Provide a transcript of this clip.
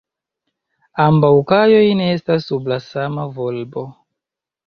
Ambaŭ kajoj ne estas sub la sama volbo.